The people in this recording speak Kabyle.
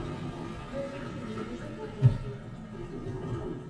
Baba-s ad yili d abugaṭu.